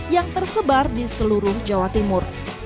yang tersebar di seluruh jawa timur